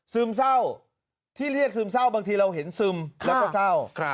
ซึมเศร้าที่เรียกซึมเศร้าบางทีเราเห็นซึมแล้วก็เศร้า